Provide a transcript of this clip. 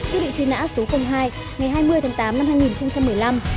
quyết định truy nã số hai ngày hai mươi tháng tám năm hai nghìn một mươi năm